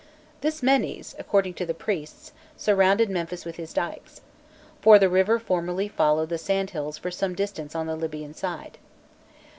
"This Menés, according to the priests, surrounded Memphis with dykes. For the river formerly followed the sandhills for some distance on the Libyan side.